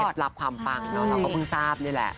รับความปังเนาะเราก็เพิ่งทราบนี่แหละ